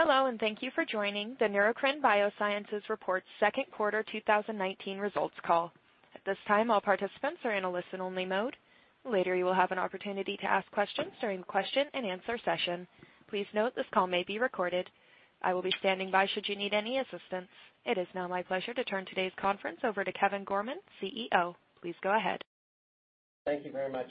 Hello, and thank you for joining the Neurocrine Biosciences Reports second quarter 2019 results call. At this time, all participants are in a listen only mode. Later, you will have an opportunity to ask questions during the question-and-answer session. Please note this call may be recorded. I will be standing by should you need any assistance. It is now my pleasure to turn today's conference over to Kevin Gorman, CEO. Please go ahead. Thank you very much,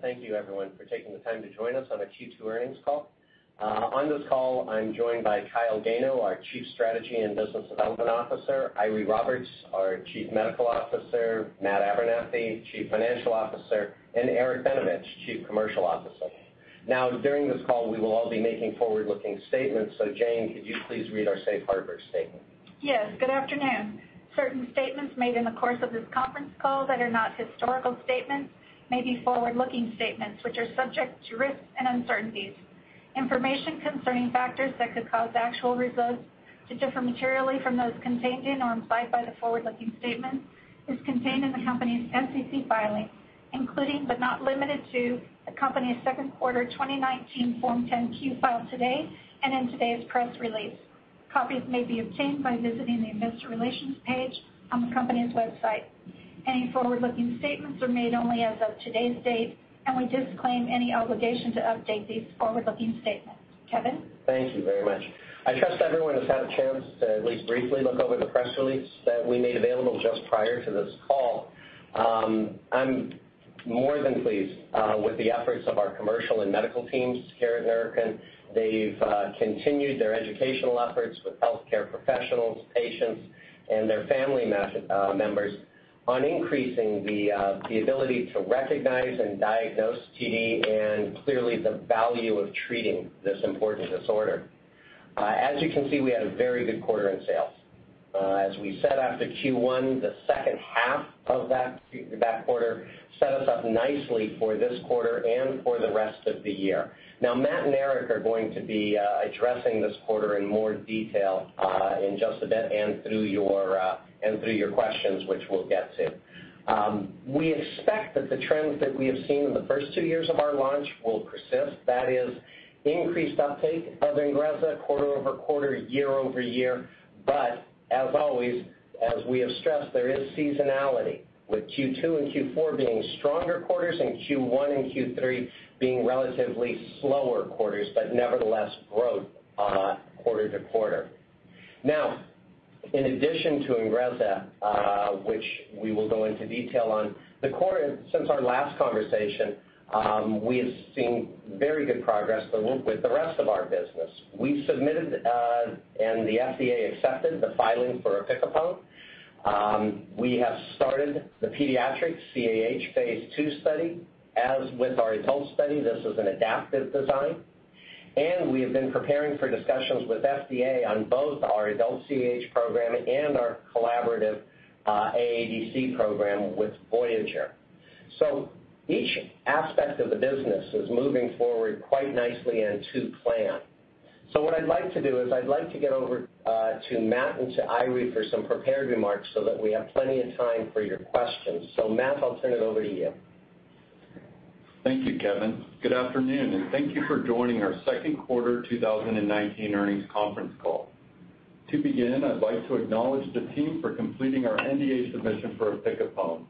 thank you everyone for taking the time to join us on our Q2 earnings call. On this call, I'm joined by Kyle Gano, our Chief Strategy and Business Development Officer, Eiry Roberts, our Chief Medical Officer, Matt Abernethy, Chief Financial Officer, and Eric Benevich, Chief Commercial Officer. During this call, we will all be making forward-looking statements. Jane, could you please read our safe harbor statement? Yes. Good afternoon. Certain statements made in the course of this conference call that are not historical statements may be forward-looking statements which are subject to risks and uncertainties. Information concerning factors that could cause actual results to differ materially from those contained in or implied by the forward-looking statements is contained in the company's SEC filing, including, but not limited to, the company's second quarter 2019 Form 10-Q filed today, and in today's press release. Copies may be obtained by visiting the investor relations page on the company's website. Any forward-looking statements are made only as of today's date, and we disclaim any obligation to update these forward-looking statements. Kevin? Thank you very much. I trust everyone has had a chance to at least briefly look over the press release that we made available just prior to this call. I'm more than pleased with the efforts of our commercial and medical teams here at Neurocrine. They've continued their educational efforts with healthcare professionals, patients, and their family members on increasing the ability to recognize and diagnose TD, and clearly the value of treating this important disorder. As you can see, we had a very good quarter in sales. As we said after Q1, the second half of that quarter set us up nicely for this quarter and for the rest of the year. Now, Matt and Eric are going to be addressing this quarter in more detail in just a bit, and through your questions, which we'll get to. We expect that the trends that we have seen in the first two years of our launch will persist. That is increased uptake of INGREZZA quarter-over-quarter, year-over-year. As always, as we have stressed, there is seasonality, with Q2 and Q4 being stronger quarters and Q1 and Q3 being relatively slower quarters, but nevertheless growth quarter-to-quarter. In addition to INGREZZA, which we will go into detail on, the quarter since our last conversation, we have seen very good progress with the rest of our business. We submitted, and the FDA accepted the filing for opicapone. We have started the pediatric CAH phase II study. As with our adult study, this is an adaptive design. We have been preparing for discussions with FDA on both our adult CAH program and our collaborative AADC program with Voyager. Each aspect of the business is moving forward quite nicely and to plan. What I'd like to do is, I'd like to get over to Matt and to Eiry for some prepared remarks so that we have plenty of time for your questions. Matt, I'll turn it over to you. Thank you, Kevin. Good afternoon. Thank you for joining our second quarter 2019 earnings conference call. To begin, I'd like to acknowledge the team for completing our NDA submission for opicapone,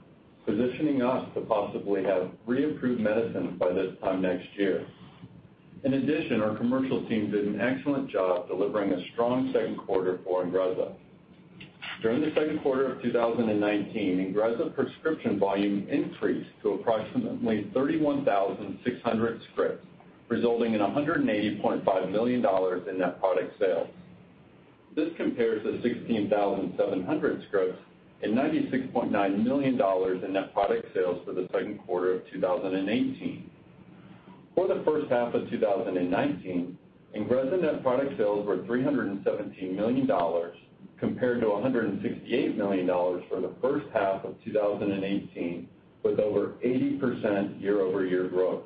positioning us to possibly have an approved medicine by this time next year. In addition, our commercial team did an excellent job delivering a strong second quarter for INGREZZA. During the second quarter of 2019, INGREZZA prescription volume increased to approximately 31,600 scripts, resulting in $180.5 million in net product sales. This compares to 16,700 scripts and $96.9 million in net product sales for the second quarter of 2018. For the first half of 2019, INGREZZA net product sales were $317 million compared to $168 million for the first half of 2018, with over 80% year-over-year growth.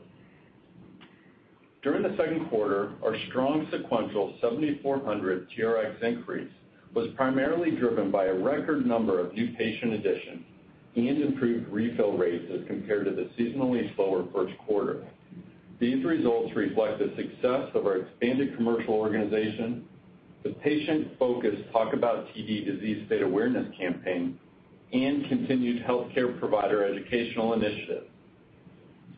During the second quarter, our strong sequential 7,400 TRx increase was primarily driven by a record number of new patient additions and improved refill rates as compared to the seasonally slower first quarter. These results reflect the success of our expanded commercial organization, the patient-focused Talk About TD disease state awareness campaign, and continued healthcare provider educational initiatives.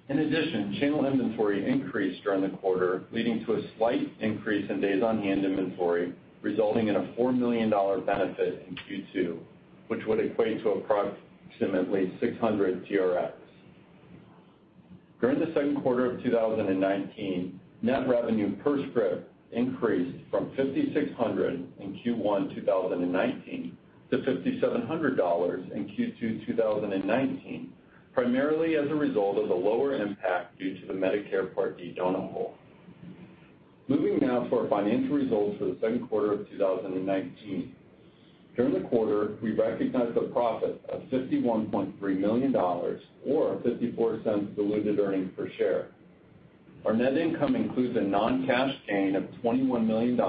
In addition, channel inventory increased during the quarter, leading to a slight increase in days on hand inventory, resulting in a $4 million benefit in Q2, which would equate to approximately 600 TRx. During the second quarter of 2019, net revenue per script increased from $5,600 in Q1 2019 to $5,700 in Q2 2019, primarily as a result of the lower impact due to the Medicare Part D donut hole. Moving now to our financial results for the second quarter of 2019. During the quarter, we recognized a profit of $51.3 million, or $0.54 diluted earnings per share. Our net income includes a non-cash gain of $21 million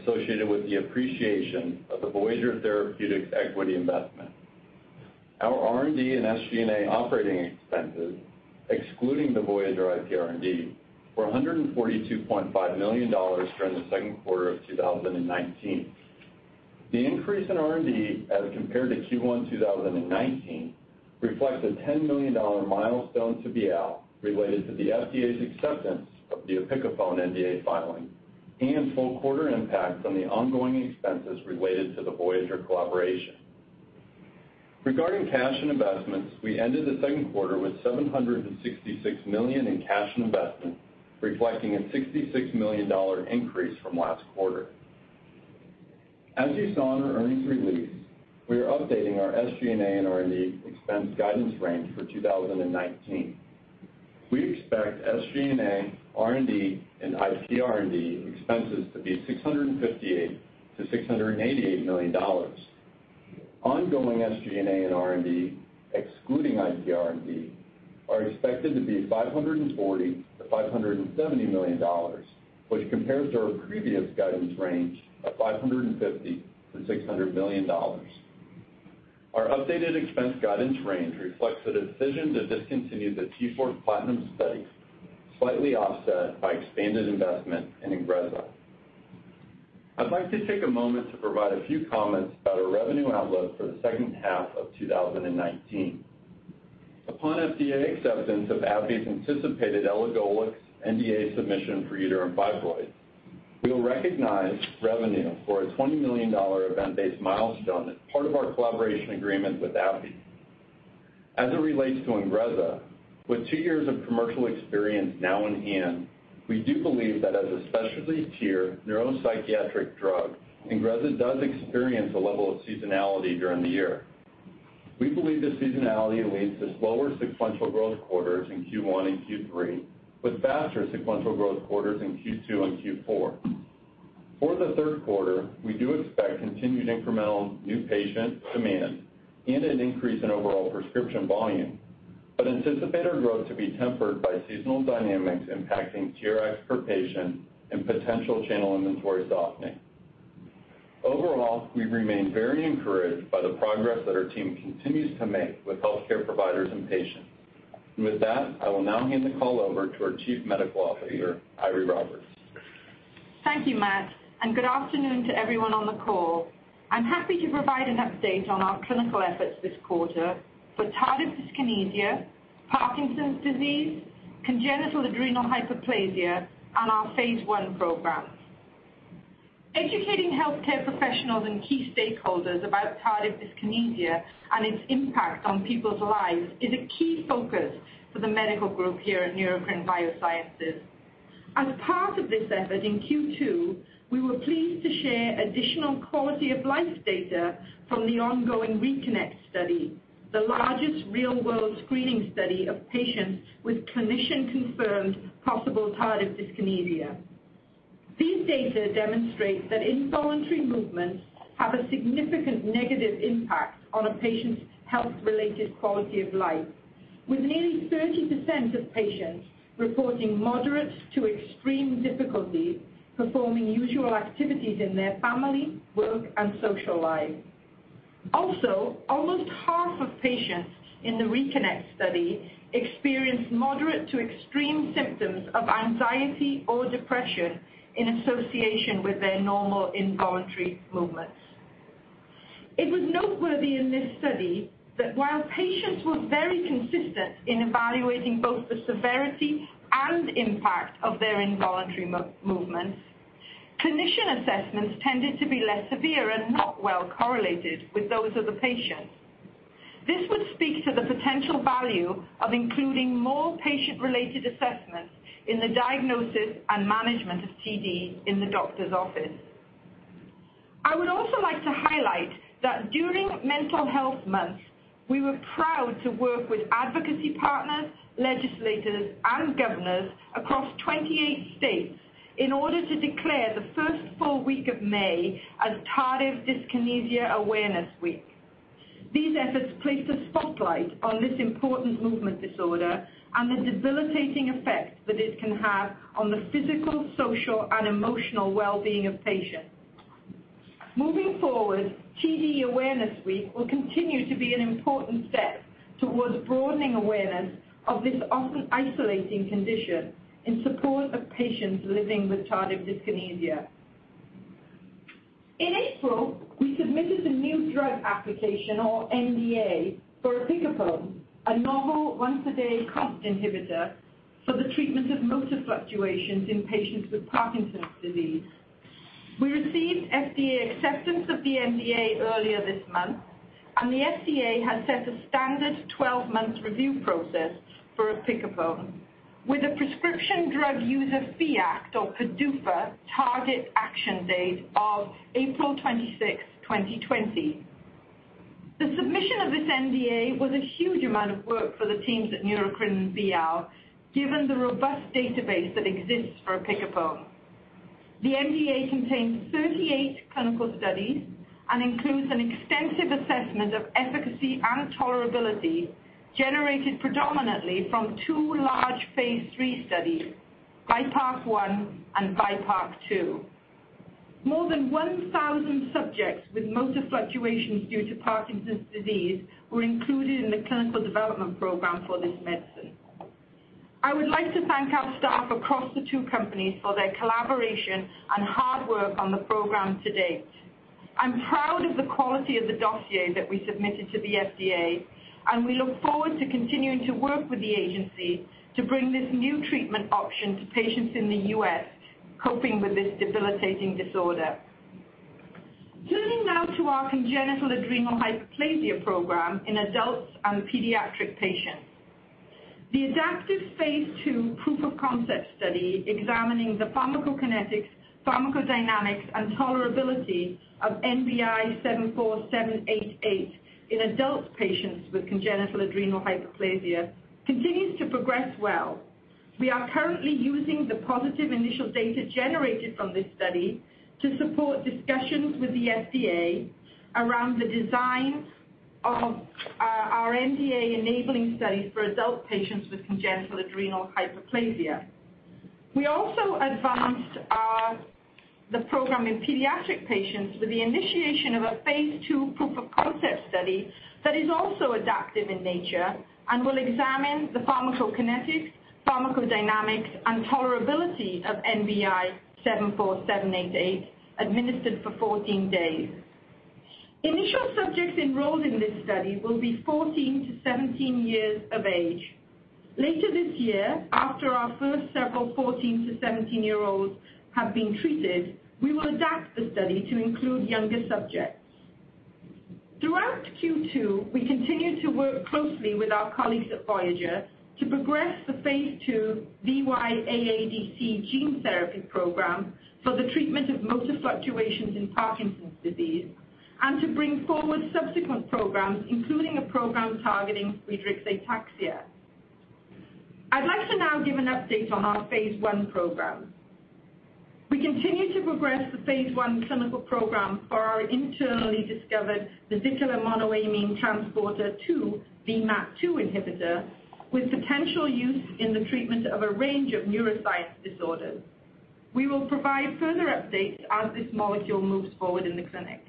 associated with the appreciation of the Voyager Therapeutics equity investment. Our R&D and SG&A operating expenses, excluding the Voyager IPR&D, were $142.5 million during the second quarter of 2019. The increase in R&D as compared to Q1 2019 reflects a $10 million milestone to BIAL related to the FDA's acceptance of the opicapone NDA filing and full quarter impact from the ongoing expenses related to the Voyager collaboration. Regarding cash and investments, we ended the second quarter with $766 million in cash and investments, reflecting a $66 million increase from last quarter. As you saw in our earnings release, we are updating our SG&A and R&D expense guidance range for 2019. We expect SG&A, R&D, and IPR&D expenses to be $658 million-$688 million. Ongoing SG&A and R&D, excluding IPR&D, are expected to be $540 million-$570 million, which compares to our previous guidance range of $550 million-$600 million. Our updated expense guidance range reflects a decision to discontinue the T-Force PLATINUM study, slightly offset by expanded investment in INGREZZA. I'd like to take a moment to provide a few comments about our revenue outlook for the second half of 2019. Upon FDA acceptance of AbbVie's anticipated elagolix NDA submission for uterine fibroids, we will recognize revenue for a $20 million event-based milestone as part of our collaboration agreement with AbbVie. As it relates to INGREZZA, with two years of commercial experience now in hand, we do believe that as a specialty tier neuropsychiatric drug, INGREZZA does experience a level of seasonality during the year. We believe this seasonality leads to slower sequential growth quarters in Q1 and Q3, with faster sequential growth quarters in Q2 and Q4. For the third quarter, we do expect continued incremental new patient demand and an increase in overall prescription volume, but anticipate our growth to be tempered by seasonal dynamics impacting TRx per patient and potential channel inventory softening. Overall, we remain very encouraged by the progress that our team continues to make with healthcare providers and patients. With that, I will now hand the call over to our Chief Medical Officer, Eiry Roberts. Thank you, Matt. Good afternoon to everyone on the call. I'm happy to provide an update on our clinical efforts this quarter for tardive dyskinesia, Parkinson's disease, congenital adrenal hyperplasia, and our phase I programs. Educating healthcare professionals and key stakeholders about tardive dyskinesia and its impact on people's lives is a key focus for the medical group here at Neurocrine Biosciences. As part of this effort in Q2, we were pleased to share additional quality of life data from the ongoing RE-KINECT study, the largest real-world screening study of patients with clinician-confirmed possible tardive dyskinesia. These data demonstrate that involuntary movements have a significant negative impact on a patient's health-related quality of life, with nearly 30% of patients reporting moderate to extreme difficulty performing usual activities in their family, work, and social life. Almost half of patients in the RE-KINECT study experienced moderate to extreme symptoms of anxiety or depression in association with abnormal involuntary movements. It was noteworthy in this study that while patients were very consistent in evaluating both the severity and impact of their involuntary movements, clinician assessments tended to be less severe and not well correlated with those of the patient. This would speak to the potential value of including more patient-related assessments in the diagnosis and management of TD in the doctor's office. I would also like to highlight that during Mental Health Month, we were proud to work with advocacy partners, legislators, and governors across 28 states in order to declare the first full week of May as Tardive Dyskinesia Awareness Week. These efforts placed a spotlight on this important movement disorder and the debilitating effects that it can have on the physical, social, and emotional well-being of patients. Moving forward, TD Awareness Week will continue to be an important step towards broadening awareness of this often isolating condition in support of patients living with tardive dyskinesia. In April, we submitted a new drug application, or NDA, for opicapone, a novel once-a-day COMT inhibitor for the treatment of motor fluctuations in patients with Parkinson's disease. We received FDA acceptance of the NDA earlier this month, and the FDA has set a standard 12-month review process for opicapone with a Prescription Drug User Fee Act, or PDUFA, target action date of April 26th, 2020. The submission of this NDA was a huge amount of work for the teams at Neurocrine and BIAL, given the robust database that exists for opicapone. The NDA contains 38 clinical studies and includes an extensive assessment of efficacy and tolerability generated predominantly from two large phase III studies, BIPARK-1 and BIPARK-2. More than 1,000 subjects with motor fluctuations due to Parkinson's disease were included in the clinical development program for this medicine. I would like to thank our staff across the two companies for their collaboration and hard work on the program to date. I'm proud of the quality of the dossier that we submitted to the FDA, we look forward to continuing to work with the agency to bring this new treatment option to patients in the U.S. coping with this debilitating disorder. Turning now to our congenital adrenal hyperplasia program in adults and pediatric patients. The adaptive phase II proof of concept study examining the pharmacokinetics, pharmacodynamics, and tolerability of NBI-74788 in adult patients with congenital adrenal hyperplasia continues to progress well. We are currently using the positive initial data generated from this study to support discussions with the FDA around the design of our NDA-enabling studies for adult patients with congenital adrenal hyperplasia. We also advanced the program in pediatric patients with the initiation of a phase II proof of concept study that is also adaptive in nature and will examine the pharmacokinetics, pharmacodynamics, and tolerability of NBI-74788 administered for 14 days. Initial subjects enrolled in this study will be 14-17 years of age. Later this year, after our first several 14-17-year-olds have been treated, we will adapt the study to include younger subjects. Throughout Q2, we continued to work closely with our colleagues at Voyager to progress the phase II VY-AADC gene therapy program for the treatment of motor fluctuations in Parkinson's disease and to bring forward subsequent programs, including a program targeting Friedreich's ataxia. I'd like to now give an update on our phase I program. We continue to progress the phase I clinical program for our internally discovered vesicular monoamine transporter 2, VMAT2 inhibitor with potential use in the treatment of a range of neuroscience disorders. We will provide further updates as this molecule moves forward in the clinic.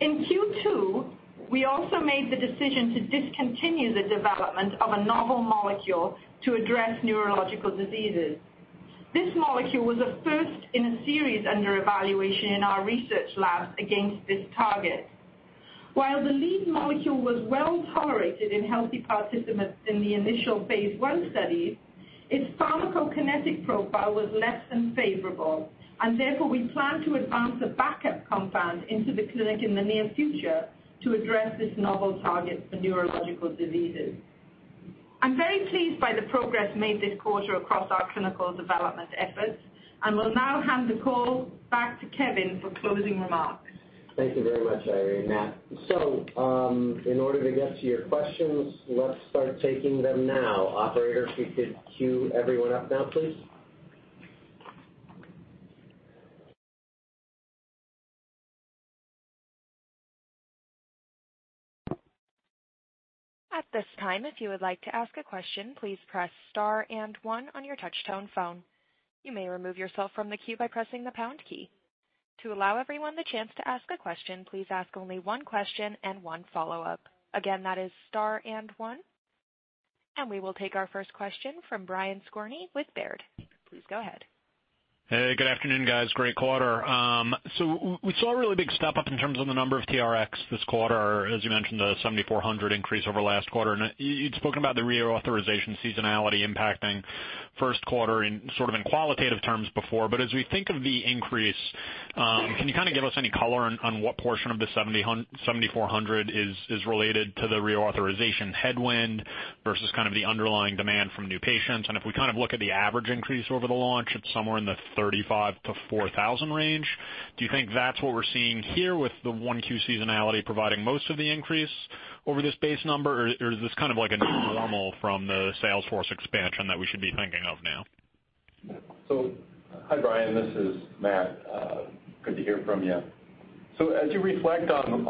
In Q2, we also made the decision to discontinue the development of a novel molecule to address neurological diseases. This molecule was a first in a series under evaluation in our research labs against this target. While the lead molecule was well-tolerated in healthy participants in the initial phase I study, its pharmacokinetic profile was less than favorable, and therefore we plan to advance a backup compound into the clinic in the near future to address this novel target for neurological diseases. I'm very pleased by the progress made this quarter across our clinical development efforts, and will now hand the call back to Kevin for closing remarks. Thank you very much, Eiry. Matt. In order to get to your questions, let's start taking them now. Operator, if you could queue everyone up now, please. At this time, if you would like to ask a question, please press star and one on your touch-tone phone. You may remove yourself from the queue by pressing the pound key. To allow everyone the chance to ask a question, please ask only one question and one follow-up. Again, that is star and one. We will take our first question from Brian Skorney with Baird. Please go ahead. Good afternoon, guys. Great quarter. We saw a really big step-up in terms of the number of TRx this quarter. As you mentioned, the 7,400 increase over last quarter. You'd spoken about the reauthorization seasonality impacting first quarter in qualitative terms before. As we think of the increase, can you give us any color on what portion of the 7,400 is related to the reauthorization headwind versus the underlying demand from new patients? If we look at the average increase over the launch at somewhere in the 3,500-4,000 range, do you think that's what we're seeing here with the 1Q seasonality providing most of the increase over this base number, or is this like a new normal from the sales force expansion that we should be thinking of now? Hi, Brian. This is Matt. Good to hear from you. As you reflect on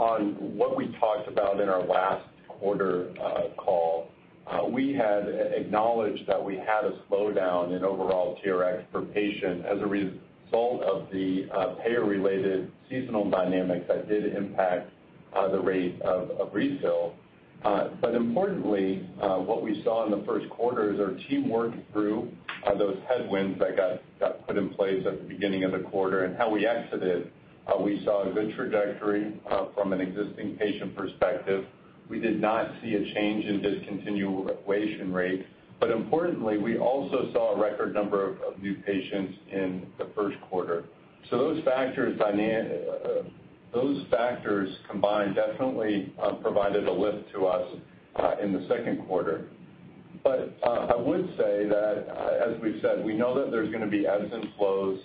what we talked about in our last quarter call, we had acknowledged that we had a slowdown in overall TRx per patient as a result of the payer-related seasonal dynamics that did impact the rate of refill. Importantly, what we saw in the first quarter is our team worked through those headwinds that got put in place at the beginning of the quarter and how we exited. We saw a good trajectory from an existing patient perspective. We did not see a change in discontinuation rate. Importantly, we also saw a record number of new patients in the first quarter. Those factors combined definitely provided a lift to us in the second quarter. I would say that, as we've said, we know that there's going to be ebbs and flows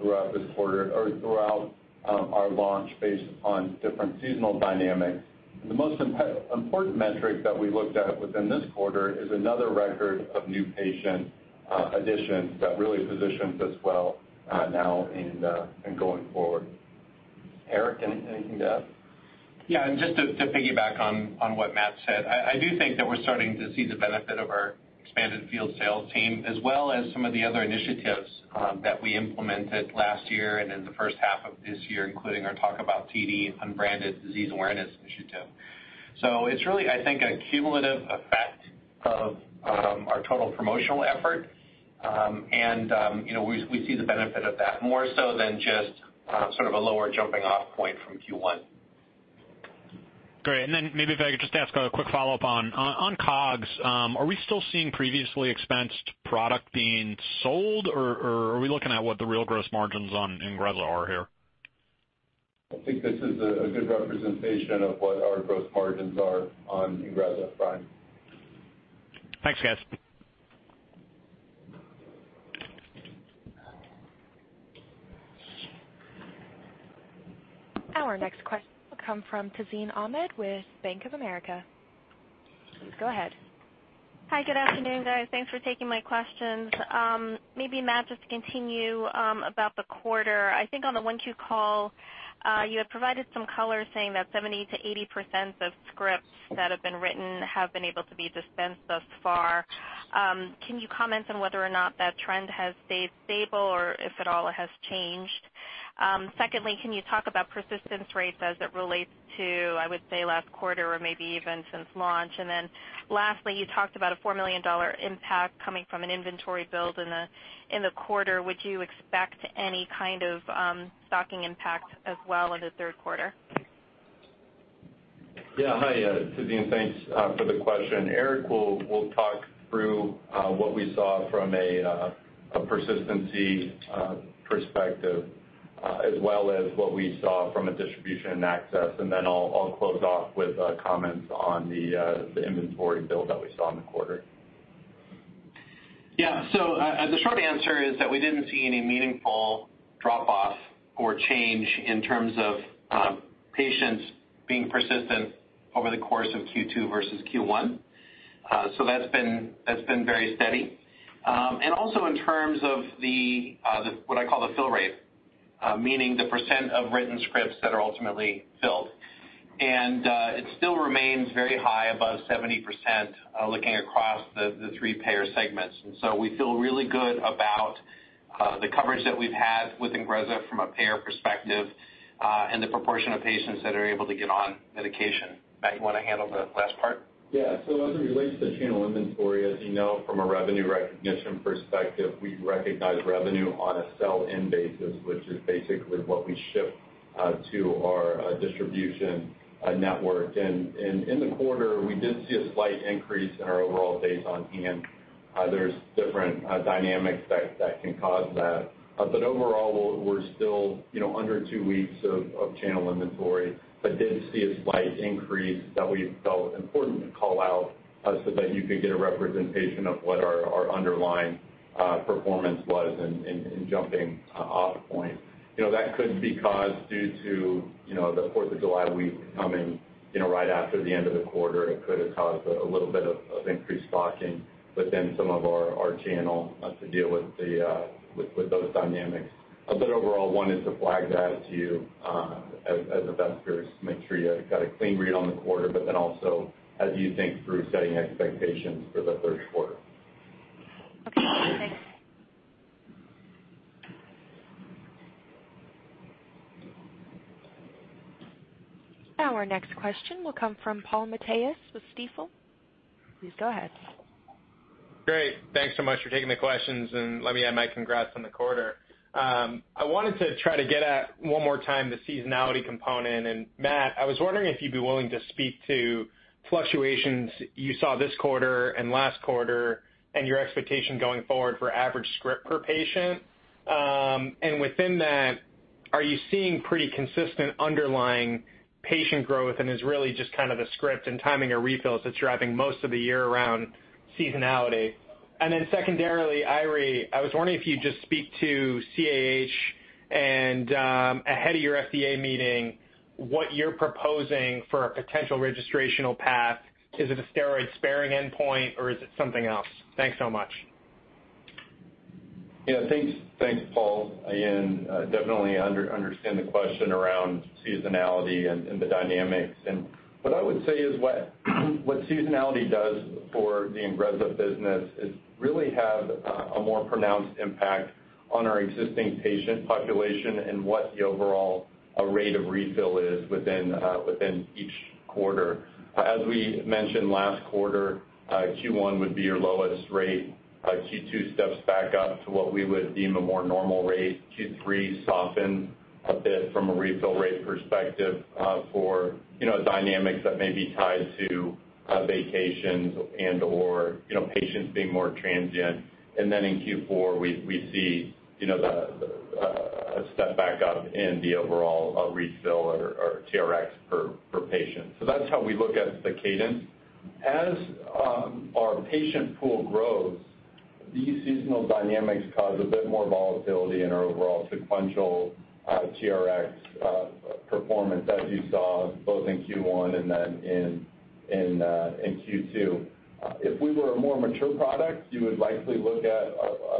throughout this quarter or throughout our launch based on different seasonal dynamics. The most important metric that we looked at within this quarter is another record of new patient additions that really positions us well now and going forward. Eric, anything to add? Yeah. Just to piggyback on what Matt said, I do think that we're starting to see the benefit of our expanded field sales team, as well as some of the other initiatives that we implemented last year and in the first half of this year, including our Talk About TD unbranded disease awareness initiative. It's really, I think, a cumulative effect of our total promotional effort. We see the benefit of that more so than just sort of a lower jumping off point from Q1. Great. Then maybe if I could just ask a quick follow-up on COGS. Are we still seeing previously expensed product being sold, or are we looking at what the real gross margins on INGREZZA are here? I think this is a good representation of what our gross margins are on INGREZZA, Brian. Thanks, guys. Our next question will come from Tazeen Ahmad with Bank of America. Please go ahead. Hi, good afternoon, guys. Thanks for taking my questions. Maybe Matt, just to continue about the quarter. I think on the 1Q call, you had provided some color saying that 70%-80% of scripts that have been written have been able to be dispensed thus far. Can you comment on whether or not that trend has stayed stable or if at all it has changed? Secondly, can you talk about persistence rates as it relates to, I would say, last quarter or maybe even since launch? Lastly, you talked about a $4 million impact coming from an inventory build in the quarter. Would you expect any kind of stocking impact as well in the third quarter? Yeah. Hi, Tazeen. Thanks for the question. Eric will talk through what we saw from a persistency perspective, as well as what we saw from a distribution and access, and then I'll close off with comments on the inventory build that we saw in the quarter. Yeah. The short answer is that we didn't see any meaningful drop-off or change in terms of patients being persistent over the course of Q2 versus Q1. That's been very steady. Also in terms of what I call the fill rate, meaning the percent of written scripts that are ultimately filled. It still remains very high, above 70%, looking across the three payer segments. We feel really good about the coverage that we've had with INGREZZA from a payer perspective, and the proportion of patients that are able to get on medication. Matt, you want to handle the last part? As it relates to channel inventory, as you know from a revenue recognition perspective, we recognize revenue on a sell-in basis, which is basically what we ship to our distribution network. In the quarter, we did see a slight increase in our overall days on hand. There's different dynamics that can cause that. Overall, we're still under two weeks of channel inventory, but did see a slight increase that we felt important to call out so that you could get a representation of what our underlying performance was in jumping off point. That could be caused due to the 4th of July week coming right after the end of the quarter. It could have caused a little bit of increased stocking within some of our channel to deal with those dynamics. Overall, wanted to flag that to you as investors, make sure you got a clean read on the quarter, but then also as you think through setting expectations for the third quarter. Okay. Thanks. Our next question will come from Paul Matteis with Stifel. Please go ahead. Great. Thanks so much for taking the questions. Let me add my congrats on the quarter. I wanted to try to get at, one more time, the seasonality component. Matt, I was wondering if you'd be willing to speak to fluctuations you saw this quarter and last quarter, and your expectation going forward for average script per patient. Within that, are you seeing pretty consistent underlying patient growth and is really just kind of the script and timing of refills that's driving most of the year-round seasonality? Secondarily, Eiry, I was wondering if you'd just speak to CAH and ahead of your FDA meeting, what you're proposing for a potential registrational path. Is it a steroid-sparing endpoint or is it something else? Thanks so much. Thanks, Paul. Definitely understand the question around seasonality and the dynamics. What I would say is what seasonality does for the INGREZZA business is really have a more pronounced impact on our existing patient population and what the overall rate of refill is within each quarter. As we mentioned last quarter, Q1 would be your lowest rate. Q2 steps back up to what we would deem a more normal rate. Q3 softens a bit from a refill rate perspective for dynamics that may be tied to vacations and/or patients being more transient. In Q4, we see a step back up in the overall refill or TRx per patient. That's how we look at the cadence. As our patient pool grows, these seasonal dynamics cause a bit more volatility in our overall sequential TRx performance as you saw both in Q1 and then in Q2. If we were a more mature product, you would likely look at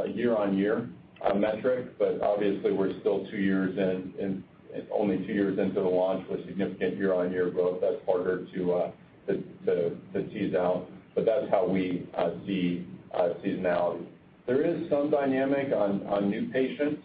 a year-on-year metric. Obviously, we're still only two years into the launch with significant year-on-year growth. That's harder to tease out. That's how we see seasonality. There is some dynamic on new patients.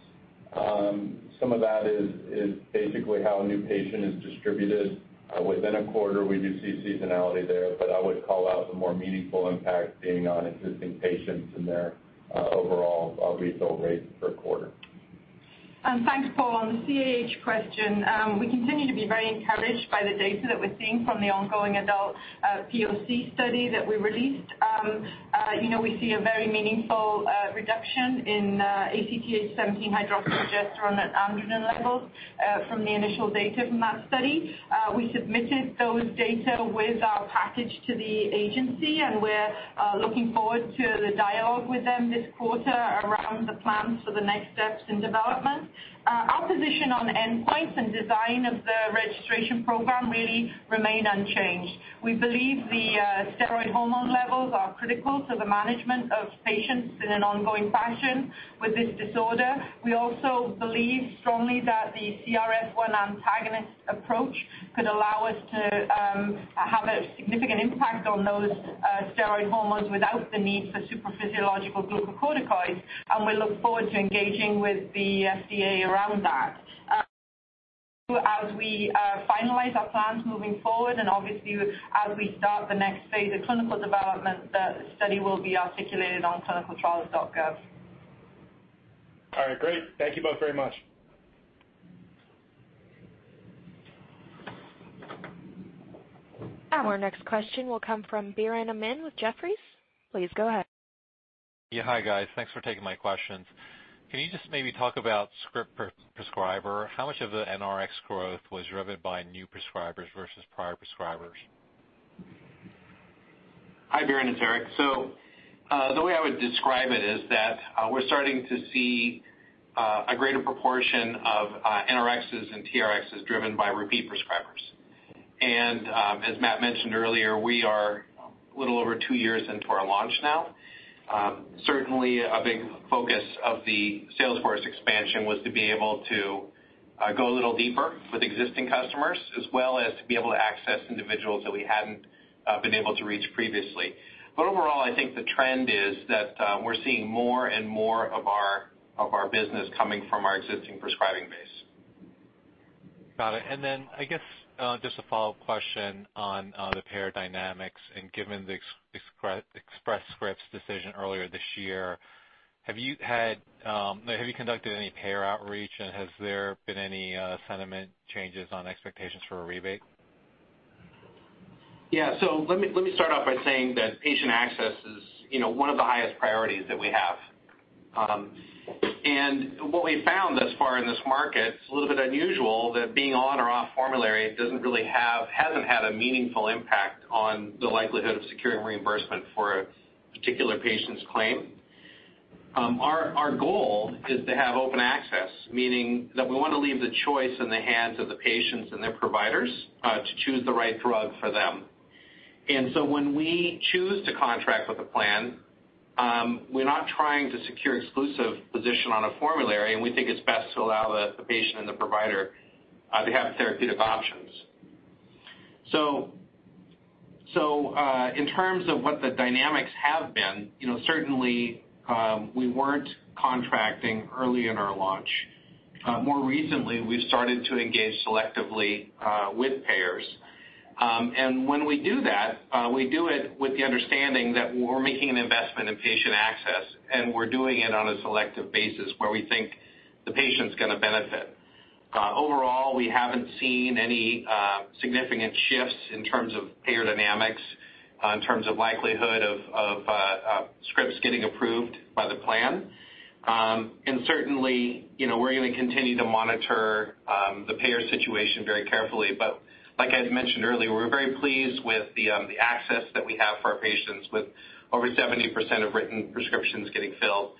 Some of that is basically how a new patient is distributed within a quarter. We do see seasonality there. I would call out the more meaningful impact being on existing patients and their overall refill rates per quarter. Thanks, Paul. On the CAH question, we continue to be very encouraged by the data that we're seeing from the ongoing adult POC study that we released. We see a very meaningful reduction in ACTH 17-hydroxyprogesterone and androgen levels from the initial data from that study. We submitted those data with our package to the agency, and we're looking forward to the dialogue with them this quarter around the plans for the next steps in development. Our position on endpoints and design of the registration program really remain unchanged. We believe the steroid hormone levels are critical to the management of patients in an ongoing fashion with this disorder. We also believe strongly that the CRF1 antagonist approach could allow us to have a significant impact on those steroid hormones without the need for supraphysiological glucocorticoids, and we look forward to engaging with the FDA around that. As we finalize our plans moving forward, and obviously as we start the next phase of clinical development, the study will be articulated on clinicaltrials.gov. All right, great. Thank you both very much. Our next question will come from Biren Amin with Jefferies. Please go ahead. Yeah. Hi, guys. Thanks for taking my questions. Can you just maybe talk about script prescriber? How much of the NRx growth was driven by new prescribers versus prior prescribers? Hi, Biren. It's Eric. The way I would describe it is that we're starting to see a greater proportion of NRxs and TRxs driven by repeat prescribers. As Matt mentioned earlier, we are a little over two years into our launch now. Certainly, a big focus of the sales force expansion was to be able to go a little deeper with existing customers, as well as to be able to access individuals that we hadn't been able to reach previously. Overall, I think the trend is that we're seeing more and more of our business coming from our existing prescribing base. Got it. I guess just a follow-up question on the payer dynamics and given the Express Scripts decision earlier this year, have you conducted any payer outreach and has there been any sentiment changes on expectations for a rebate? Yeah. Let me start off by saying that patient access is one of the highest priorities that we have. What we've found thus far in this market, it's a little bit unusual that being on or off formulary hasn't had a meaningful impact on the likelihood of securing reimbursement for a particular patient's claim. Our goal is to have open access, meaning that we want to leave the choice in the hands of the patients and their providers to choose the right drug for them. When we choose to contract with a plan, we're not trying to secure exclusive position on a formulary, and we think it's best to allow the patient and the provider to have therapeutic options. In terms of what the dynamics have been, certainly, we weren't contracting early in our launch. More recently, we've started to engage selectively with payers. When we do that, we do it with the understanding that we're making an investment in patient access, and we're doing it on a selective basis where we think the patient's going to benefit. Overall, we haven't seen any significant shifts in terms of payer dynamics, in terms of likelihood of scripts getting approved by the plan. Certainly, we're going to continue to monitor the payer situation very carefully. Like I had mentioned earlier, we're very pleased with the access that we have for our patients with over 70% of written prescriptions getting filled,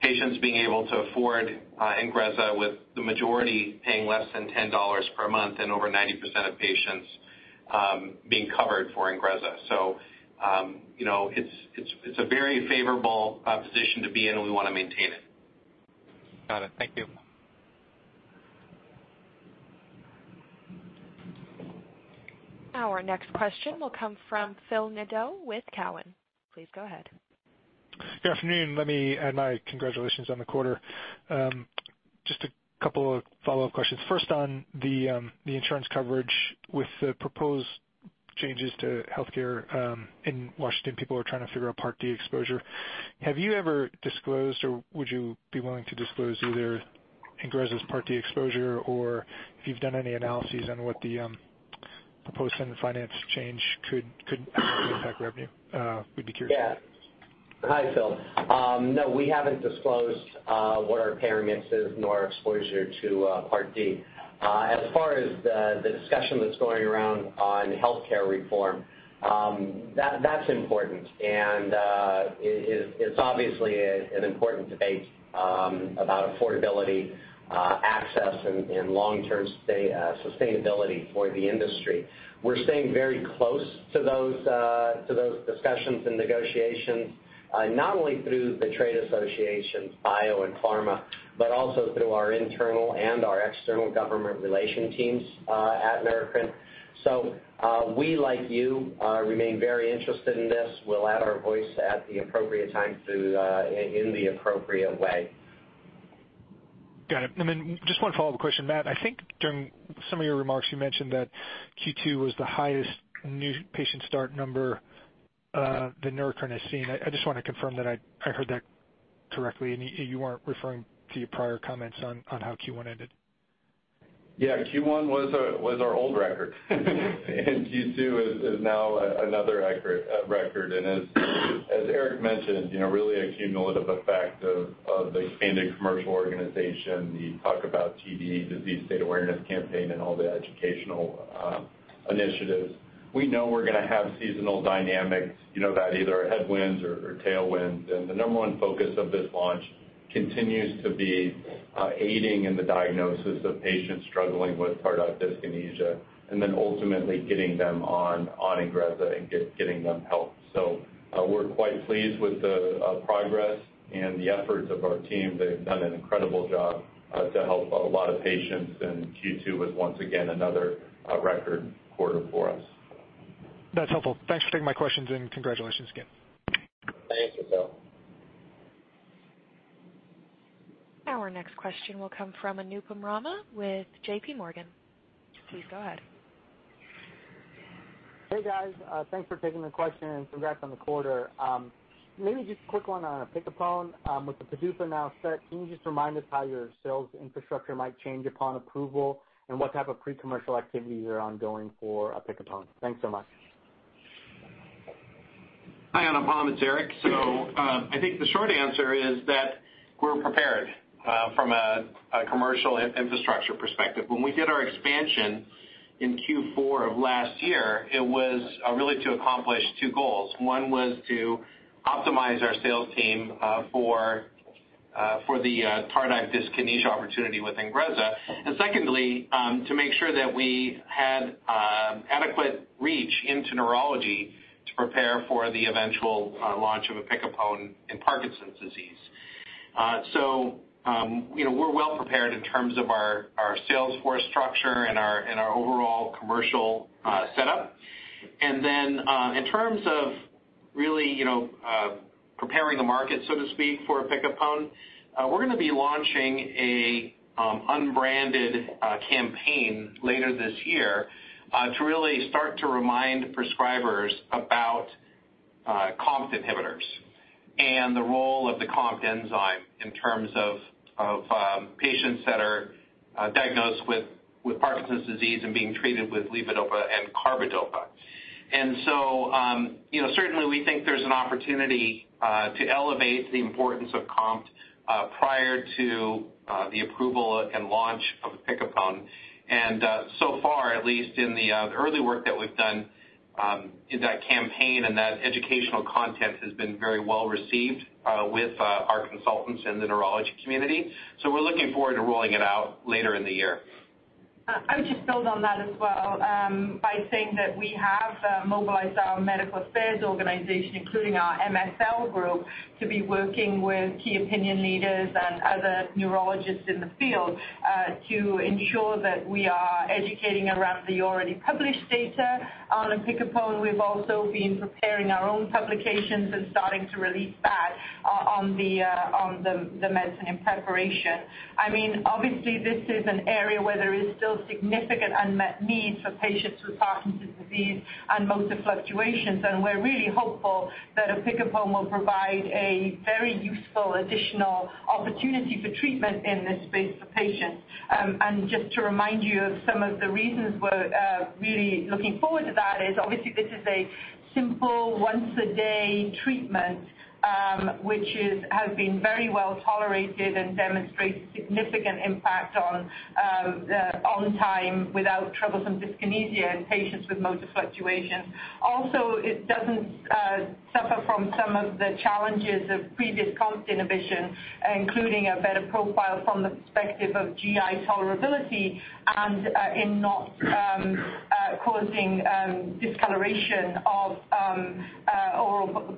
patients being able to afford INGREZZA with the majority paying less than $10 per month and over 90% of patients being covered for INGREZZA. It's a very favorable position to be in and we want to maintain it. Got it. Thank you. Our next question will come from Phil Nadeau with Cowen. Please go ahead. Good afternoon. Let me add my congratulations on the quarter. Just a couple of follow-up questions. First, on the insurance coverage with the proposed changes to healthcare in Washington, people are trying to figure out Part D exposure. Have you ever disclosed, or would you be willing to disclose either INGREZZA's Part D exposure? If you've done any analyses on what the proposed finance change could actually impact revenue, we'd be curious. Yeah. Hi, Phil. No, we haven't disclosed what our payer mix is nor our exposure to Part D. As far as the discussion that's going around on healthcare reform, that's important and it's obviously an important debate about affordability, access, and long-term sustainability for the industry. We're staying very close to those discussions and negotiations. Not only through the trade associations BIO and PhRMA, but also through our internal and our external government relation teams at Neurocrine. We, like you, remain very interested in this. We'll add our voice at the appropriate time in the appropriate way. Got it. Just one follow-up question, Matt, I think during some of your remarks, you mentioned that Q2 was the highest new patient start number that Neurocrine has seen. I just want to confirm that I heard that correctly, and you weren't referring to your prior comments on how Q1 ended. Yeah. Q1 was our old record. Q2 is now another record. As Eric mentioned, really a cumulative effect of the expanded commercial organization, the Talk About TD disease state awareness campaign and all the educational initiatives. We know we're going to have seasonal dynamics, you know that either headwinds or tailwinds. The number one focus of this launch continues to be aiding in the diagnosis of patients struggling with tardive dyskinesia, and then ultimately getting them on INGREZZA and getting them help. We're quite pleased with the progress and the efforts of our team. They've done an incredible job to help a lot of patients. Q2 was once again another record quarter for us. That's helpful. Thanks for taking my questions and congratulations again. Thank you, Phil. Our next question will come from Anupam Rama with JPMorgan. Please go ahead. Hey, guys. Thanks for taking the question and congrats on the quarter. Maybe just a quick one on opicapone. With the PDUFA now set, can you just remind us how your sales infrastructure might change upon approval and what type of pre-commercial activities are ongoing for opicapone? Thanks so much. Hi, Anupam, it's Eric. I think the short answer is that we're prepared from a commercial infrastructure perspective. When we did our expansion in Q4 of last year, it was really to accomplish two goals. One was to optimize our sales team for the tardive dyskinesia opportunity with INGREZZA. Secondly, to make sure that we had adequate reach into neurology to prepare for the eventual launch of opicapone in Parkinson's disease. We're well prepared in terms of our sales force structure and our overall commercial setup. Then in terms of really preparing the market, so to speak, for opicapone, we're going to be launching an unbranded campaign later this year to really start to remind prescribers about COMT inhibitors and the role of the COMT enzyme in terms of patients that are diagnosed with Parkinson's disease and being treated with levodopa and carbidopa. Certainly we think there's an opportunity to elevate the importance of COMT prior to the approval and launch of opicapone. Far, at least in the early work that we've done in that campaign and that educational content has been very well received with our consultants in the neurology community. We're looking forward to rolling it out later in the year. I would just build on that as well by saying that we have mobilized our medical affairs organization, including our MSL group, to be working with key opinion leaders and other neurologists in the field to ensure that we are educating around the already published data on opicapone. We've also been preparing our own publications and starting to release that on the medicine in preparation. This is an area where there is still significant unmet needs for patients with Parkinson's disease and motor fluctuations, and we're really hopeful that opicapone will provide a very useful additional opportunity for treatment in this space for patients. Just to remind you of some of the reasons we're really looking forward to that is obviously this is a simple once-a-day treatment, which has been very well tolerated and demonstrates significant impact on time without troublesome dyskinesia in patients with motor fluctuations. It doesn't suffer from some of the challenges of previous COMT inhibition, including a better profile from the perspective of GI tolerability and in not causing discoloration of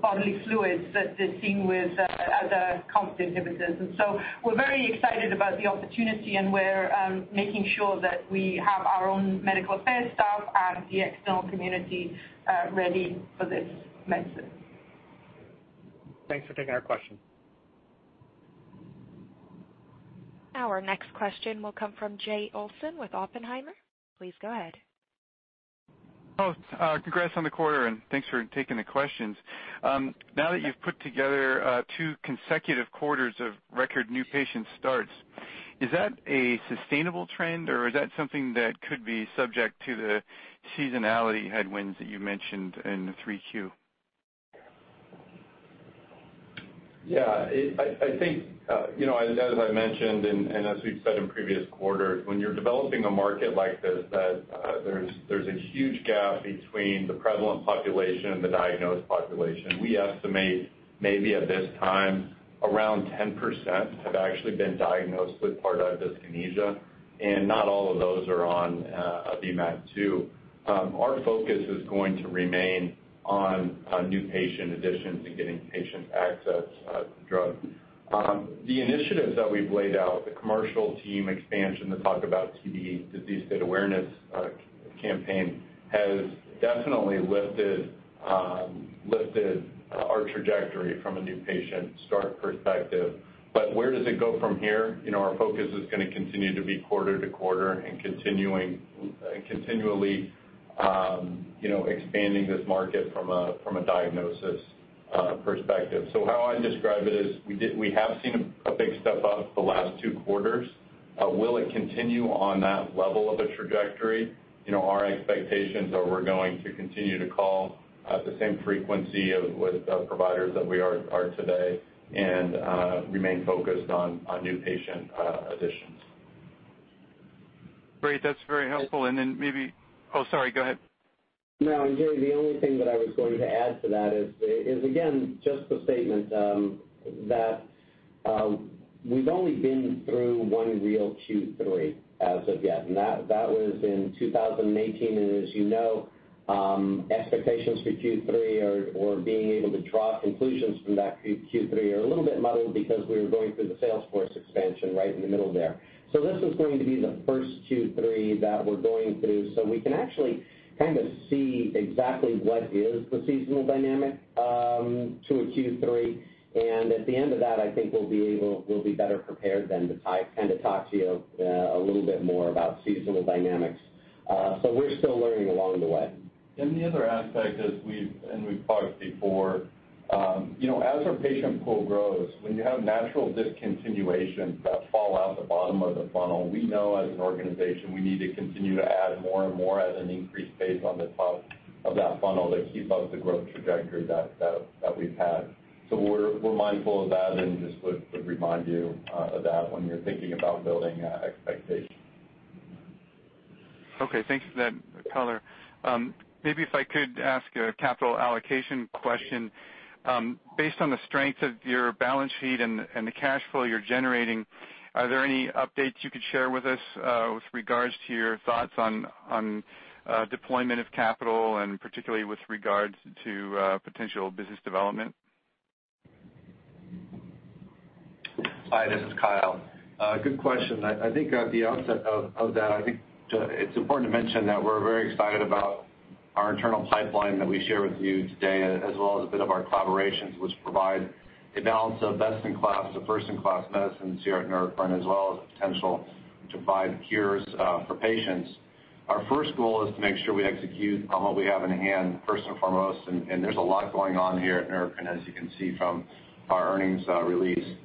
bodily fluids that is seen with other COMT inhibitors. We're very excited about the opportunity, and we're making sure that we have our own medical affairs staff and the external community ready for this medicine. Thanks for taking our question. Our next question will come from Jay Olson with Oppenheimer. Please go ahead. Oh, congrats on the quarter and thanks for taking the questions. Now that you've put together two consecutive quarters of record new patient starts, is that a sustainable trend or is that something that could be subject to the seasonality headwinds that you mentioned in 3Q? I think as I mentioned, and as we've said in previous quarters, when you're developing a market like this, there's a huge gap between the prevalent population and the diagnosed population. We estimate maybe at this time, around 10% have actually been diagnosed with tardive dyskinesia, and not all of those are on VMAT2. Our focus is going to remain on new patient additions and getting patients access to the drug. The initiatives that we've laid out, the commercial team expansion, the Talk About TD disease state awareness campaign, has definitely lifted our trajectory from a new patient start perspective. Where does it go from here? Our focus is going to continue to be quarter-to-quarter and continually expanding this market from a diagnosis perspective. How I describe it is we have seen a big step up the last two quarters. Will it continue on that level of a trajectory? Our expectations are we're going to continue to call at the same frequency with providers that we are at today and remain focused on new patient additions. Great. That's very helpful. Oh, sorry. Go ahead. No, Jay, the only thing that I was going to add to that is again, just the statement that we've only been through one real Q3 as of yet, that was in 2018, as you know expectations for Q3 or being able to draw conclusions from that Q3 are a little bit muddled because we were going through the sales force expansion right in the middle there. This is going to be the first Q3 that we're going through, we can actually kind of see exactly what is the seasonal dynamic to a Q3, at the end of that, I think we'll be better prepared then to kind of talk to you a little bit more about seasonal dynamics. We're still learning along the way. The other aspect is, we've talked before, as our patient pool grows, when you have natural discontinuation that fall out the bottom of the funnel, we know as an organization, we need to continue to add more and more at an increased pace on the top of that funnel to keep up the growth trajectory that we've had. We're mindful of that and just would remind you of that when you're thinking about building expectations. Okay. Thanks for that color. Maybe if I could ask a capital allocation question. Based on the strength of your balance sheet and the cash flow you're generating, are there any updates you could share with us with regards to your thoughts on deployment of capital, and particularly with regards to potential business development? Hi, this is Kyle. Good question. At the outset of that, I think it's important to mention that we're very excited about our internal pipeline that we share with you today, as well as a bit of our collaborations, which provide a balance of best in class, a first in class medicines here at Neurocrine, as well as the potential to provide cures for patients. Our first goal is to make sure we execute on what we have in hand first and foremost. There's a lot going on here at Neurocrine, as you can see from our earnings release.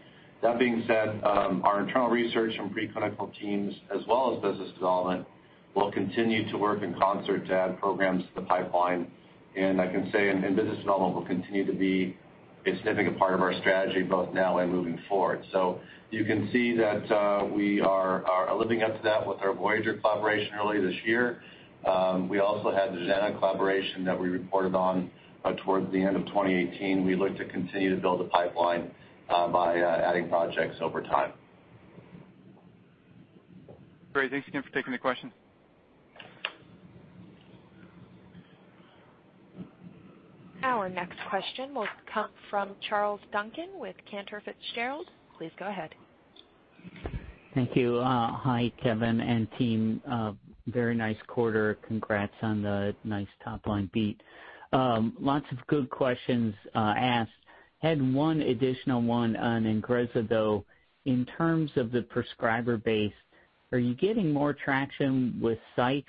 That being said, our internal research and preclinical teams, as well as business development, will continue to work in concert to add programs to the pipeline. I can say business development will continue to be a significant part of our strategy both now and moving forward. You can see that we are living up to that with our Voyager collaboration earlier this year. We also had the Jnana collaboration that we reported on towards the end of 2018. We look to continue to build the pipeline by adding projects over time. Great. Thanks again for taking the question. Our next question will come from Charles Duncan with Cantor Fitzgerald. Please go ahead. Thank you. Hi, Kevin and team. Very nice quarter. Congrats on the nice top-line beat. Lots of good questions asked. Had one additional one on INGREZZA, though. In terms of the prescriber base, are you getting more traction with psychs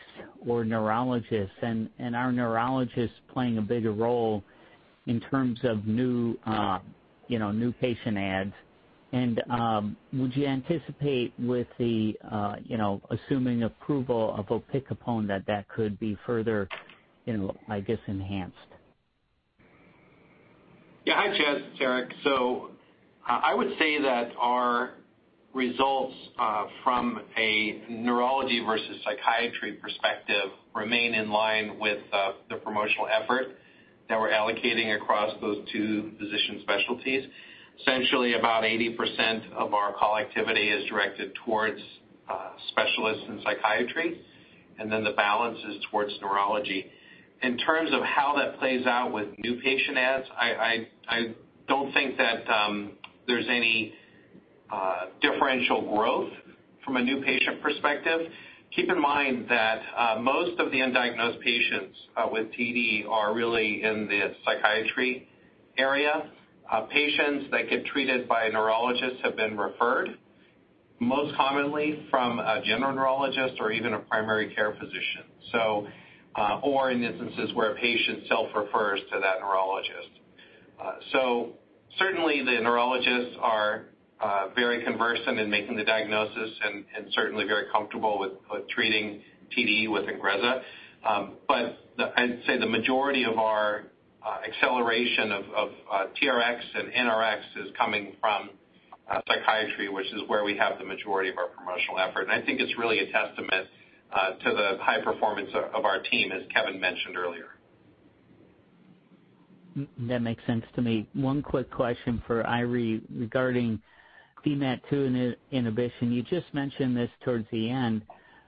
or neurologists? Are neurologists playing a bigger role in terms of new patient adds? Would you anticipate with the assuming approval of opicapone that that could be further enhanced? Yeah. Hi, Charles, it's Eric. I would say that our results from a neurology versus psychiatry perspective remain in line with the promotional effort that we're allocating across those two physician specialties. Essentially, about 80% of our call activity is directed towards specialists in psychiatry, and then the balance is towards neurology. In terms of how that plays out with new patient adds, I don't think that there's any differential growth from a new patient perspective. Keep in mind that most of the undiagnosed patients with TD are really in the psychiatry area. Patients that get treated by a neurologist have been referred most commonly from a general neurologist or even a primary care physician. In instances where a patient self-refers to that neurologist. Certainly the neurologists are very conversant in making the diagnosis and certainly very comfortable with treating TD with INGREZZA. I'd say the majority of our acceleration of TRX and NRX is coming from psychiatry, which is where we have the majority of our promotional effort, and I think it's really a testament to the high performance of our team, as Kevin mentioned earlier. That makes sense to me. One quick question for Eiry regarding VMAT2 inhibition. You just mentioned this towards the end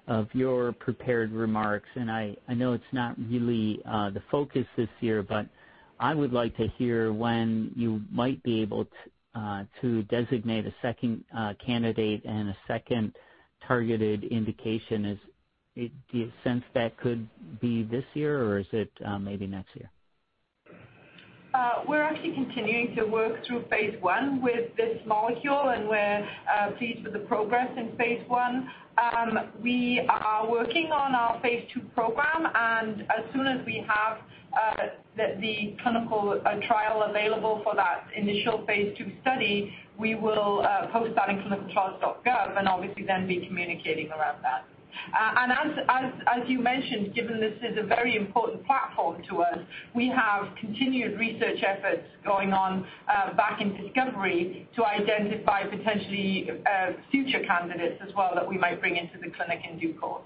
of your prepared remarks, and I know it's not really the focus this year, but I would like to hear when you might be able to designate a second candidate and a second targeted indication. Do you sense that could be this year, or is it maybe next year? We're actually continuing to work through phase I with this molecule, and we're pleased with the progress in phase I. We are working on our phase II program, and as soon as we have the clinical trial available for that initial phase II study, we will post that in clinicaltrials.gov and obviously then be communicating around that. As you mentioned, given this is a very important platform to us, we have continued research efforts going on back in discovery to identify potentially future candidates as well that we might bring into the clinic in due course.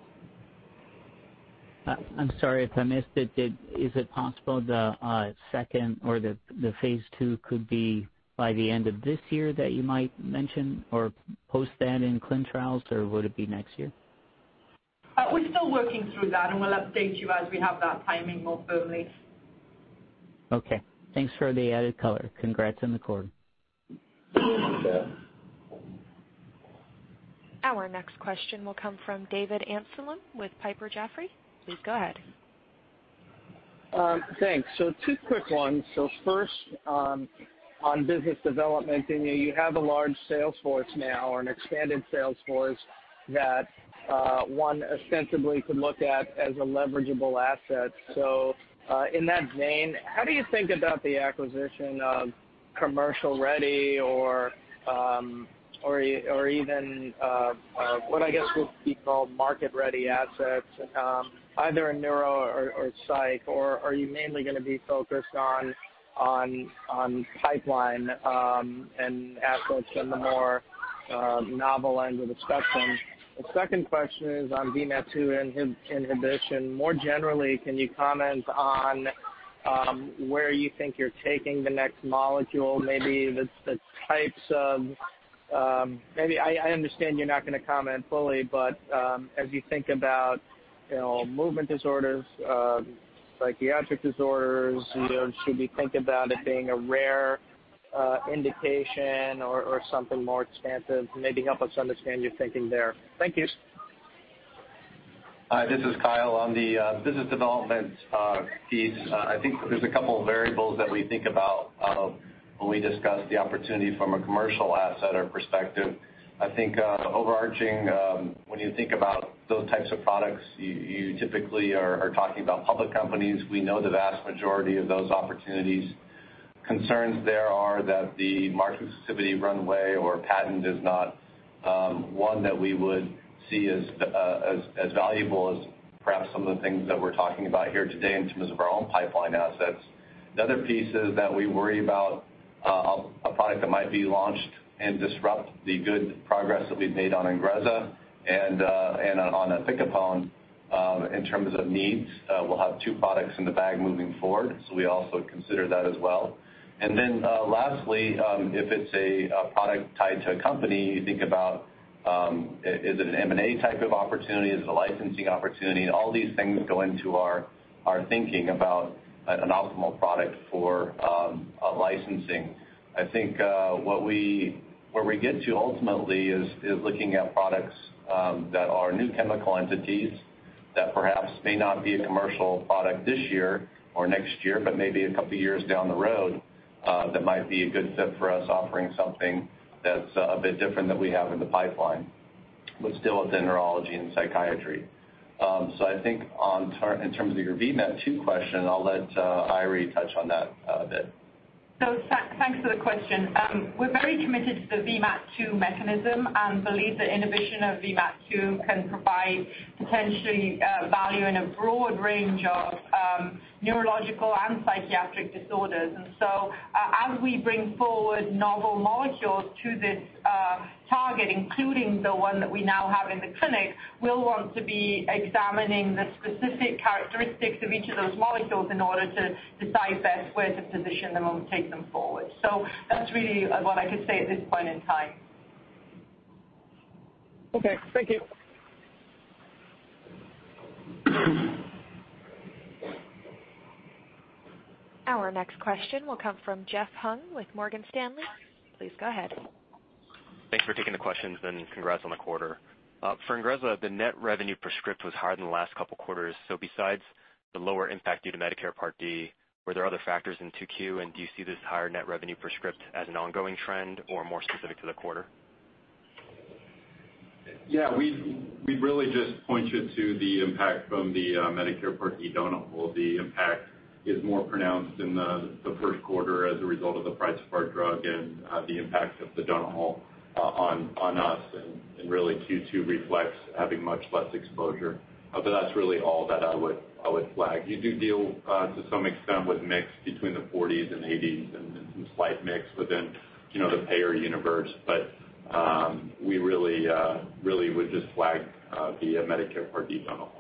I'm sorry if I missed it. Is it possible the second or the phase II could be by the end of this year that you might mention or post that in clin trials, or would it be next year? We're still working through that, and we'll update you as we have that timing more firmly. Okay. Thanks for the added color. Congrats on the quarter. Thank you. Our next question will come from David Amsellem with Piper Jaffray. Please go ahead. Thanks. Two quick ones. First, on business development, you have a large sales force now or an expanded sales force that one ostensibly could look at as a leverageable asset. In that vein, how do you think about the acquisition of commercial-ready or even what I guess would be called market-ready assets either in neuro or psych, or are you mainly going to be focused on pipeline and assets in the more novel end of the spectrum? The second question is on VMAT2 inhibition. More generally, can you comment on where you think you're taking the next molecule? Maybe the types of. I understand you're not going to comment fully, but as you think about movement disorders, psychiatric disorders, should we think about it being a rare indication or something more expansive? Maybe help us understand your thinking there. Thank you. Hi, this is Kyle. On the business development piece, I think there's a couple of variables that we think about when we discuss the opportunity from a commercial asset or perspective. I think overarching, when you think about those types of products, you typically are talking about public companies. We know the vast majority of those opportunities. Concerns there are that the market exclusivity runway or patent is not one that we would see as valuable as perhaps some of the things that we're talking about here today in terms of our own pipeline assets. The other piece is that we worry about a product that might be launched and disrupt the good progress that we've made on INGREZZA and on opicapone. In terms of needs, we'll have two products in the bag moving forward, so we also consider that as well. Lastly, if it's a product tied to a company, you think about is it an M&A type of opportunity? Is it a licensing opportunity? All these things go into our thinking about an optimal product for licensing. I think where we get to ultimately is looking at products that are new chemical entities that perhaps may not be a commercial product this year or next year, but maybe a couple of years down the road that might be a good fit for us, offering something that's a bit different that we have in the pipeline, but still within neurology and psychiatry. I think in terms of your VMAT2 question, I'll let Eiry touch on that a bit. Thanks for the question. We're very committed to the VMAT2 mechanism and believe the inhibition of VMAT2 can provide potential value in a broad range of neurological and psychiatric disorders. As we bring forward novel molecules to this target, including the one that we now have in the clinic, we'll want to be examining the specific characteristics of each of those molecules in order to decide best where to position them and we'll take them forward. That's really what I could say at this point in time. Okay. Thank you. Our next question will come from Jeff Hung with Morgan Stanley. Please go ahead. Thanks for taking the questions and congrats on the quarter. For INGREZZA, the net revenue per script was higher than the last couple quarters. Besides the lower impact due to Medicare Part D, were there other factors in 2Q, and do you see this higher net revenue per script as an ongoing trend or more specific to the quarter? Yeah, we'd really just point you to the impact from the Medicare Part D donut hole. The impact is more pronounced in the first quarter as a result of the price of our drug and the impact of the donut hole on us, and really Q2 reflects having much less exposure. That's really all that I would flag. You do deal to some extent with mix between the 40s and 80s and some slight mix within the payer universe, but we really would just flag the Medicare Part D donut hole.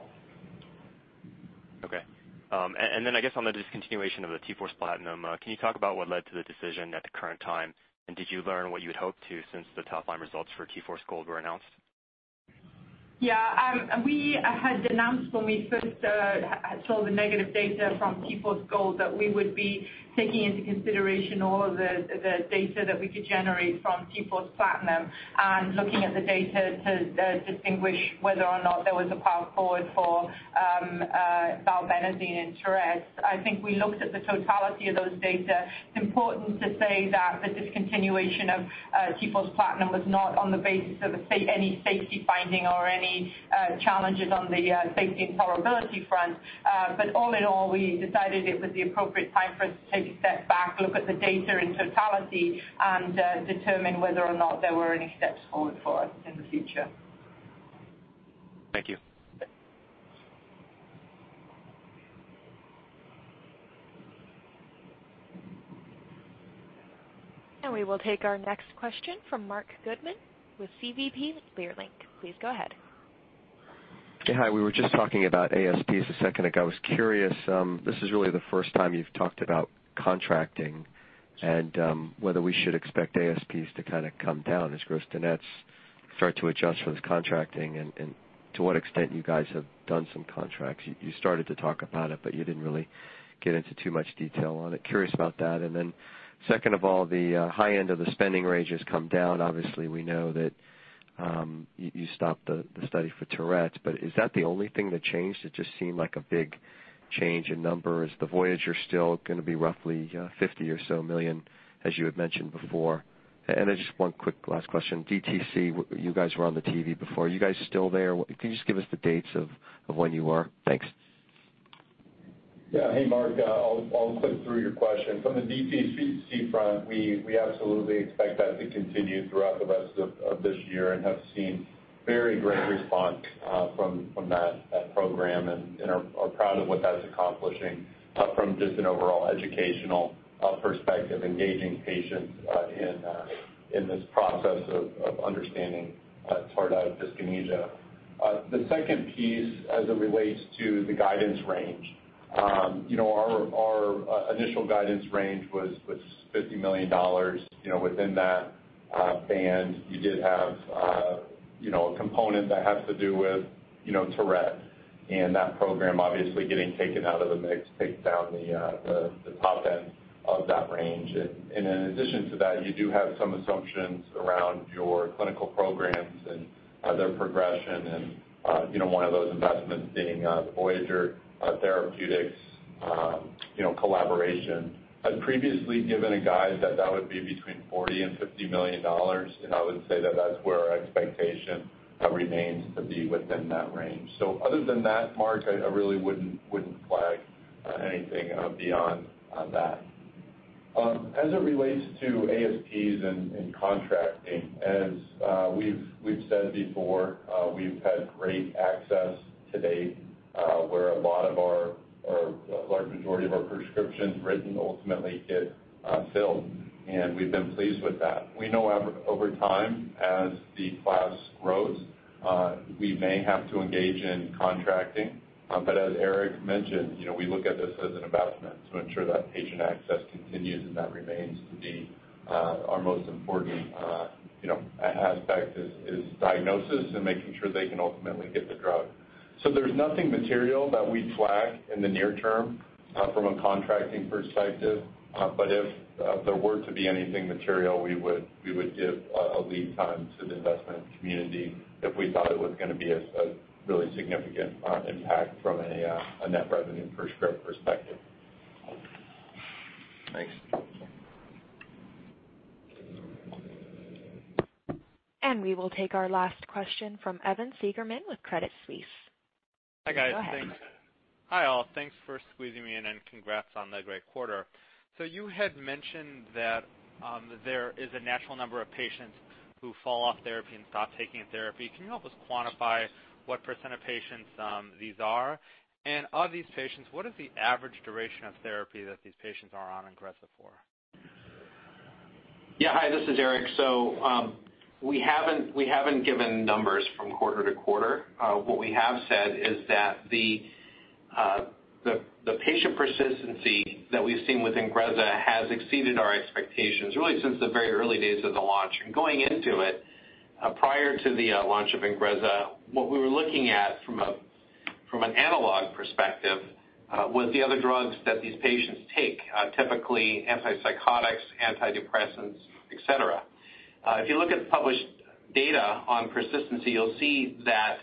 I guess on the discontinuation of the T-Force PLATINUM, can you talk about what led to the decision at the current time? Did you learn what you had hoped to since the top-line results for T-Force GOLD were announced? Yeah. We had announced when we first saw the negative data from T-Force GOLD that we would be taking into consideration all of the data that we could generate from T-Force PLATINUM and looking at the data to distinguish whether or not there was a path forward for valbenazine in Tourette's. I think we looked at the totality of those data. It's important to say that the discontinuation of T-Force PLATINUM was not on the basis of any safety finding or any challenges on the safety and tolerability front. All in all, we decided it was the appropriate time for us to take a step back, look at the data in totality, and determine whether or not there were any steps forward for us in the future. Thank you. We will take our next question from Marc Goodman with SVB Leerink. Please go ahead. Yeah. Hi. We were just talking about ASPs a second ago. I was curious, this is really the first time you've talked about contracting and whether we should expect ASPs to kind of come down as gross-to-nets start to adjust for this contracting and to what extent you guys have done some contracts. You started to talk about it, but you didn't really get into too much detail on it. Curious about that. Second of all, the high end of the spending range has come down. Obviously, we know that you stopped the study for Tourette's, but is that the only thing that changed? It just seemed like a big change in numbers. Is the Voyager still going to be roughly $50 million, as you had mentioned before? Just one quick last question. DTC, you guys were on the TV before. Are you guys still there? Can you just give us the dates of when you are? Thanks. Hey, Marc. I'll click through your question. From the DTC front, we absolutely expect that to continue throughout the rest of this year and have seen a very great response from that program and are proud of what that's accomplishing from just an overall educational perspective, engaging patients in this process of understanding tardive dyskinesia. The second piece, as it relates to the guidance range. Our initial guidance range was $50 million. Within that band, you did have a component that has to do with Tourette's, and that program obviously getting taken out of the mix takes down the top end of that range. In addition to that, you do have some assumptions around your clinical programs and their progression and one of those investments being Voyager Therapeutics collaboration. I'd previously given a guide that would be between $40 million and $50 million, and I would say that that's where our expectation remains to be within that range. Other than that, Marc, I really wouldn't flag anything beyond that. As it relates to ASPs and contracting, as we've said before, we've had great access to date where a large majority of our prescriptions written ultimately get filled, and we've been pleased with that. We know over time as the class grows, we may have to engage in contracting. But, as Eric mentioned, we look at this as an investment to ensure that patient access continues, and that remains to be our most important aspect is diagnosis and making sure they can ultimately get the drug. There's nothing material that we flag in the near term from a contracting perspective. If there were to be anything material, we would give a lead time to the investment community if we thought it was going to be a really significant impact from a net revenue per script perspective. Thanks. We will take our last question from Evan Seigerman with Credit Suisse. Go ahead. Hi, guys. Hi, all. Thanks for squeezing me in, and congrats on the great quarter. You had mentioned that there is a natural number of patients who fall off therapy and stop taking a therapy. Can you help us quantify what percent of patients these are? Of these patients, what is the average duration of therapy that these patients are on INGREZZA for? Hi, this is Eric. We haven't given numbers from quarter-to-quarter. What we have said is that the patient persistency that we've seen with INGREZZA has exceeded our expectations, really since the very early days of the launch. Going into it, prior to the launch of INGREZZA, what we were looking at from an analog perspective was the other drugs that these patients take, typically antipsychotics, antidepressants, et cetera. If you look at the published data on persistency, you'll see that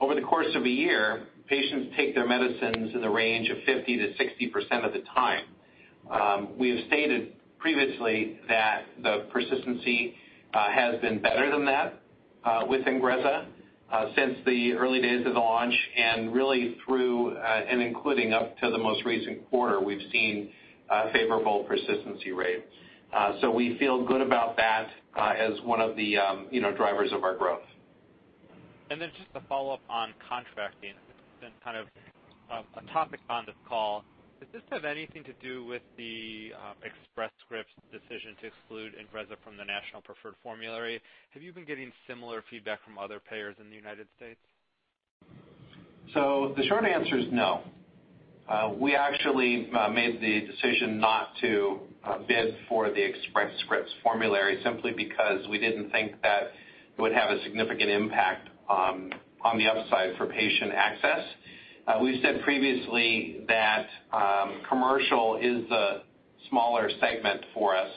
over the course of a year, patients take their medicines in the range of 50%-60% of the time. We have stated previously that the persistency has been better than that with INGREZZA since the early days of the launch and really through and including up to the most recent quarter, we've seen favorable persistency rates. We feel good about that as one of the drivers of our growth. Just a follow-up on contracting. It's been kind of a topic on this call. Did this have anything to do with the Express Scripts decision to exclude INGREZZA from the National Preferred Formulary? Have you been getting similar feedback from other payers in the United States? The short answer is no. We actually made the decision not to bid for the Express Scripts formulary simply because we didn't think that it would have a significant impact on the upside for patient access. We've said previously that commercial is a smaller segment for us,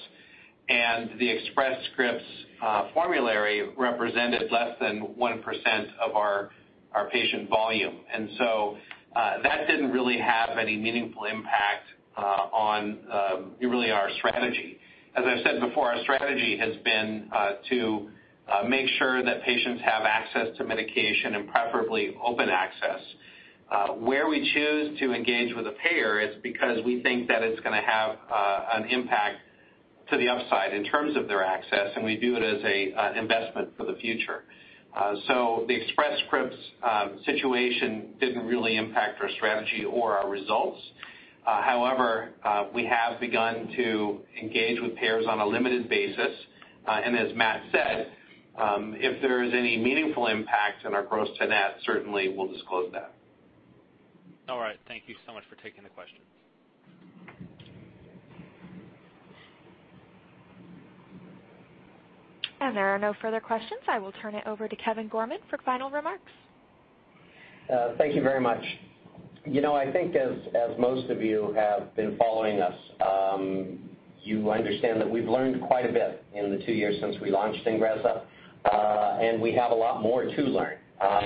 and the Express Scripts formulary represented less than 1% of our patient volume. That didn't really have any meaningful impact on really our strategy. As I've said before, our strategy has been to make sure that patients have access to medication and preferably open access. Where we choose to engage with a payer is because we think that it's going to have an impact to the upside in terms of their access, and we view it as an investment for the future. The Express Scripts situation didn't really impact our strategy or our results. However, we have begun to engage with payers on a limited basis. As Matt said, if there is any meaningful impact on our gross-to-net, certainly we'll disclose that. All right. Thank you so much for taking the question. There are no further questions. I will turn it over to Kevin Gorman for final remarks. Thank you very much. I think as most of you have been following us, you understand that we've learned quite a bit in the two years since we launched INGREZZA. We have a lot more to learn.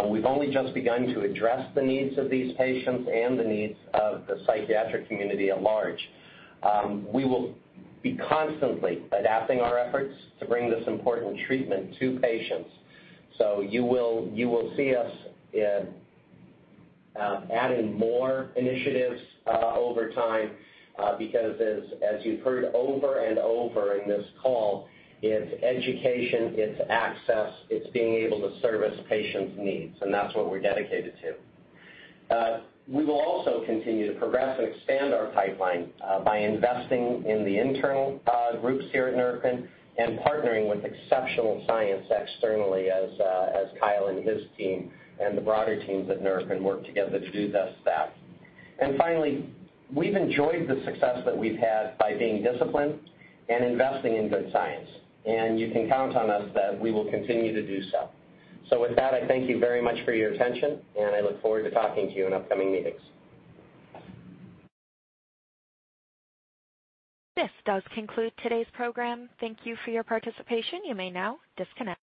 We've only just begun to address the needs of these patients and the needs of the psychiatric community at large. We will be constantly adapting our efforts to bring this important treatment to patients. You will see us in adding more initiatives over time because as you've heard over and over in this call, it's education, it's access, it's being able to service patients' needs, and that's what we're dedicated to. We will also continue to progress and expand our pipeline by investing in the internal groups here at Neurocrine and partnering with exceptional science externally as Kyle and his team and the broader teams at Neurocrine work together to do just that. Finally, we've enjoyed the success that we've had by being disciplined and investing in good science, and you can count on us that we will continue to do so. With that, I thank you very much for your attention, and I look forward to talking to you in upcoming meetings. This does conclude today's program. Thank you for your participation. You may now disconnect.